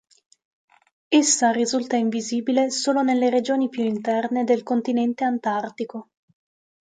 Essa risulta invisibile solo nelle regioni più interne del continente antartico.